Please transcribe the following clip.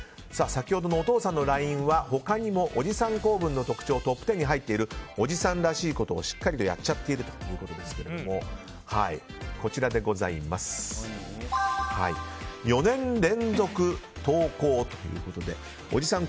先ほどのお父さんのＬＩＮＥは他にも、おじさん構文の特徴トップ１０に入っているおじさんらしいことをしっかりやっちゃっているということですがこちら４回連続投稿ということでおじさん